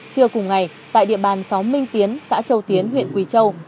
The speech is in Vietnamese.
trưa cùng ngày tại địa bàn xóm minh tiến xã châu tiến huyện quỳ châu